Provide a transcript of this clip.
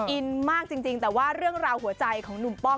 อินมากจริงแต่ว่าเรื่องราวหัวใจของหนุ่มป้อม